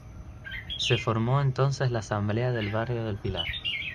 Se formó entonces la Asamblea del Barrio del Pilar.